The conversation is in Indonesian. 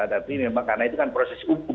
tapi memang karena itu kan proses hukum